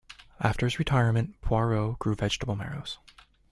After his retirement, Poirot grew vegetable marrows.